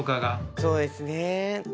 そうですね。